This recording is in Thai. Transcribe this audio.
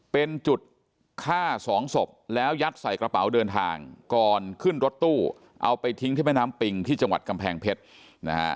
เป็นจุดฆ่าสองศพแล้วยัดใส่กระเป๋าเดินทางก่อนขึ้นรถตู้เอาไปทิ้งที่แม่น้ำปิงที่จังหวัดกำแพงเพชรนะฮะ